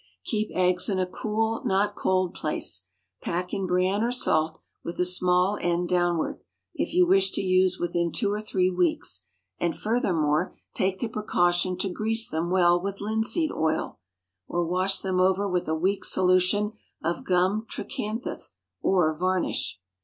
Keep eggs in a cool, not cold place. Pack in bran or salt, with the small end downward, if you wish to use within two or three weeks; and furthermore, take the precaution to grease them well with linseed oil, or wash them over with a weak solution of gum tragacanth or varnish.